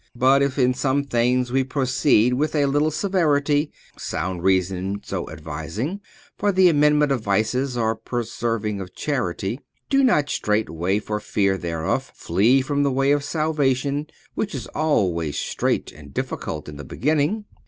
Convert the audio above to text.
But if in some things we proceed with a little severity, sound reason so advising, for the amendment of vices or preserving of charity; do not straightway for fear thereof, flee from the way of salvation which is always strait and difficult in the beginning.